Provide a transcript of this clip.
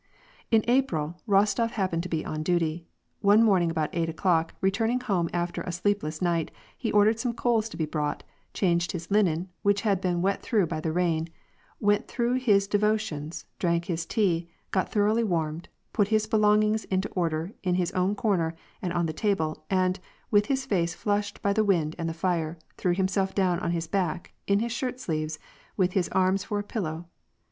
In April, Eostof happened to be on dutv. One morning about eight o'clock, returning home after a sleepless night, he ordered some coals to be brought, changed his linen, which had been wet through by the rain, went through his devo tions, drank his tea, got thoroughly warmed, put his belong ings into order in his own corner and on the table, and, wiui his face flushed by the wind and the fire, threw himself down on his back, in his shirt sleeves, with his arms for a pillow.